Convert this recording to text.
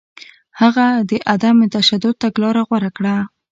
هغه د عدم تشدد تګلاره غوره کړه.